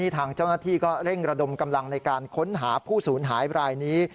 ทางเจ้าหน้าที่ก็เร่งระดมกำลังในการค้นหาผู้สูญหายรายนี้